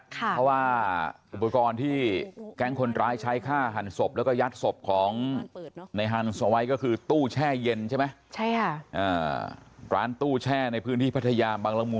คิดว่าอุปกรณ์ที่แกรงคนรายใช้ค่าหันศพและยัดศพของฮาลสวยก็คือตู้แช่เย็นใช่ไหม